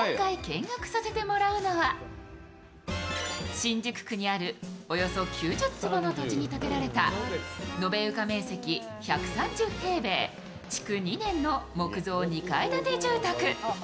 新宿区にあるおよそ９０坪の土地に建てられた延べ床面積１３０平米、築２年の木造２階建て住宅。